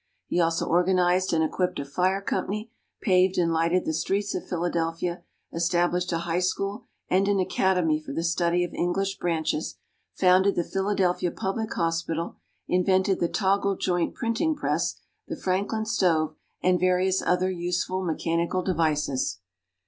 He also organized and equipped a fire company; paved and lighted the streets of Philadelphia; established a high school and an academy for the study of English branches; founded the Philadelphia Public Hospital; invented the toggle joint printing press, the Franklin Stove, and various other useful mechanical devices.